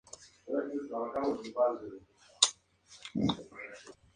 Su nombre se deriva de la palabra azul.